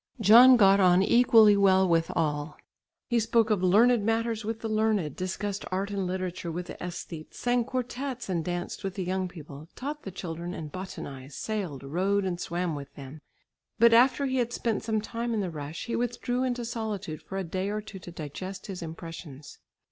John got on equally well with all; he spoke on learned matters with the learned, discussed art and literature with the æsthetes, sang quartettes and danced with the young people, taught the children and botanised, sailed, rode and swam with them. But after he had spent some time in the rush, he withdrew into solitude for a day or two to digest his impressions.